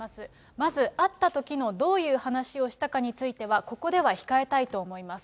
まず会ったときのどういう話をしたかについては、ここでは控えたいと思います。